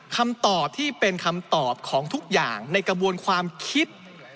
คำตอบที่เป็นคำตอบของทุกอย่างในกระบวนความคิด